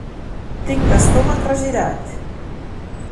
Tinc l'estómac regirat.